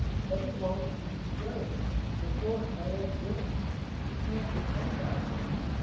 But he won't keep straight. The poor fellow drinks. We can't depend on him.